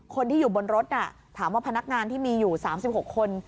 คนที่อยู่บนรถน่ะถามว่าพนักงานที่มีอยู่๓๖คน